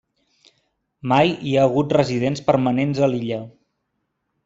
Mai hi ha hagut residents permanents a l'illa.